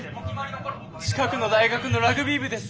近くの大学のラグビー部です。